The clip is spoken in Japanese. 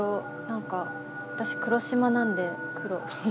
何か私黒島なんで黒。